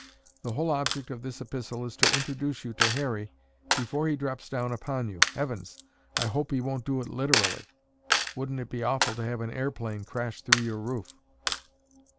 The whole object of this epistle is to introduce you to Harry before he drops down upon you. Heavens, I hope he won't do it literally. Wouldn't it be awful to have an airplane crash through your roof?"